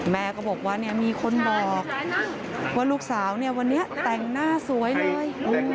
แม่ก็บอกว่ามีคนบอกว่าลูกสาวเนี่ยวันนี้แต่งหน้าสวยเลย